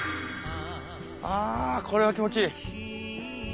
あぁこれは気持ちいい。